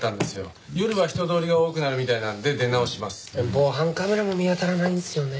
防犯カメラも見当たらないんすよね。